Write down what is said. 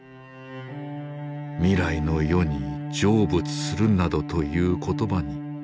「未来の世に成仏するなどという言葉に用はない」と。